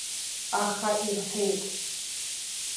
Аха ирҳәеит!